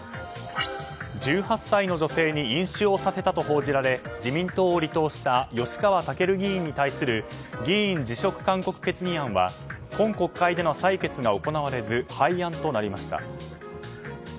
１８歳の女性に飲酒をさせたと報じられ自民党を離党した吉川赳議員に対する議員辞職勧告決議案は今国会での採決が行われず廃案となりました。